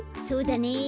そうだね。